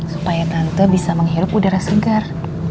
supaya tante bisa menghirup udara segar